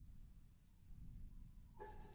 কাঠ পালিশের জন্য ভালো।